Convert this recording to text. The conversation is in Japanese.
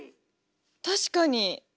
確かに。